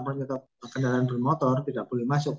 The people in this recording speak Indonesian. contohnya kendaraan bermotor tidak boleh masuk